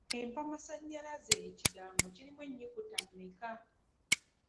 Empamasannyalaze ekigambo kirimu ennyukuta mmeka?